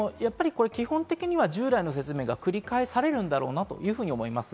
基本的には従来の説明が繰り返されるんだろうなと思います。